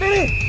lão hoa lên